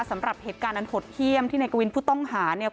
สำหรับเหตุการณ์อันหดเขี้ยมที่นายกวินผู้ต้องหาเนี่ย